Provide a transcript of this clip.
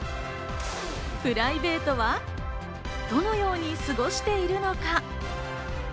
プライベートはどのように過ごしているのか？